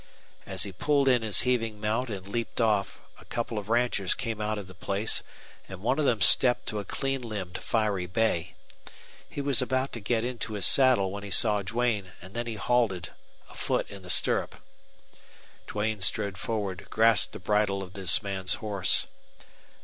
As he pulled in his heaving mount and leaped off, a couple of ranchers came out of the place, and one of them stepped to a clean limbed, fiery bay. He was about to get into his saddle when he saw Duane, and then he halted, a foot in the stirrup. Duane strode forward, grasped the bridle of this man's horse.